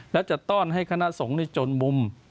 และจะต้อนให้คณะสงฆ์จนมุม